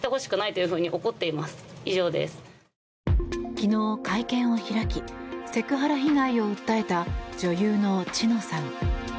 昨日、会見を開きセクハラ被害を訴えた女優の知乃さん。